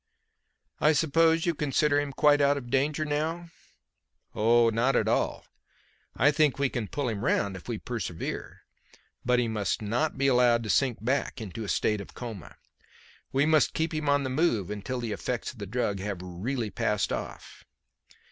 "I suppose you consider him quite out of danger now?" "Oh, not at all. I think we can pull him round if we persevere, but he must not be allowed to sink back into a state of coma. We must keep him on the move until the effects of the drug have really passed off.